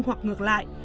hoặc ngược lại